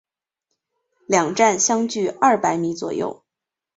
两站相距二百米左右。